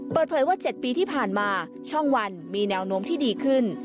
เปิดเผยว่า๗ปีที่ผ่านมาช่องวันมีแนวโน้มที่ดีขึ้น